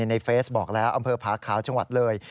ในเฟสบอกแล้วอำเภอภาคาวชะวัดเลย